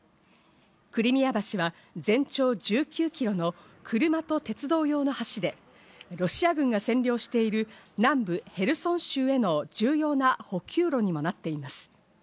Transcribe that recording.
クリミア橋は全長１９キロの車と鉄道用の橋で、ロシア軍が占領している南部ヘルソン州への重要な補給路にもなっています。